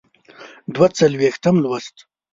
دوه څلویښتم لوست.